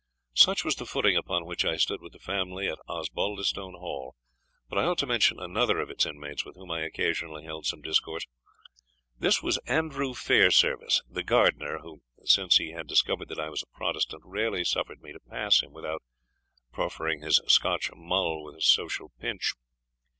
Such was the footing upon which I stood with the family at Osbaldistone Hall; but I ought to mention another of its inmates with whom I occasionally held some discourse. This was Andrew Fairservice, the gardener who (since he had discovered that I was a Protestant) rarely suffered me to pass him without proffering his Scotch mull for a social pinch.